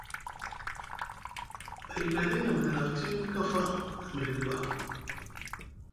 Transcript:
A yika day na midini aftini kafa a miɗiɗi ɓa.